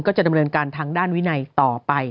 จะดำเนินการทางด้านวินัยต่อไป